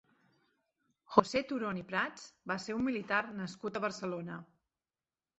José Turón i Prats va ser un militar nascut a Barcelona.